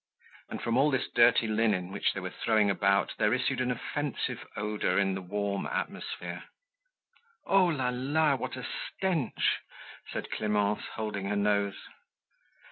And from all this dirty linen which they were throwing about there issued an offensive odor in the warm atmosphere. "Oh! La, la. What a stench!" said Clemence, holding her nose.